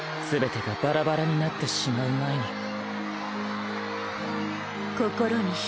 すべてがバラバラになってしまう前に。